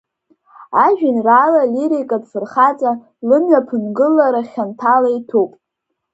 Ажәеинраала алирикатә фырхаҵа лымҩа ԥынгылара хьанҭала иҭәуп.